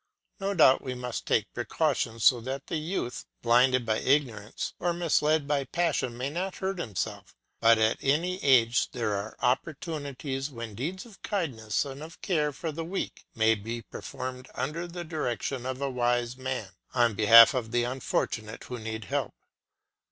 No doubt we must take precautions, so that a youth, blinded by ignorance or misled by passion, may not hurt himself; but at any age there are opportunities when deeds of kindness and of care for the weak may be performed under the direction of a wise man, on behalf of the unfortunate who need help.